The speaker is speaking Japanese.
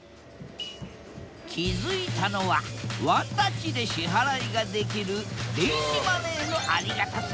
気付いたのはワンタッチで支払いができる電子マネーのありがたさ